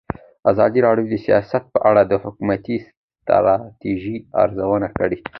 ازادي راډیو د سیاست په اړه د حکومتي ستراتیژۍ ارزونه کړې.